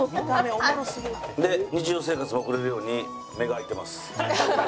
日常生活も送れるように目があいてます。